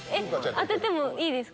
当ててもいいですか？